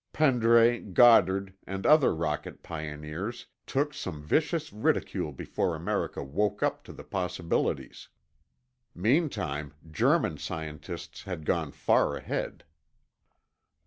Pendray, Goddard, and other rocket pioneers took some vicious ridicule before America woke up to the possibilities. Meantime, German scientists had gone far ahead.